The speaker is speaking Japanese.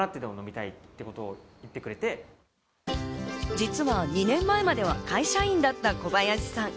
実は２年前までは会社員だった小林さん。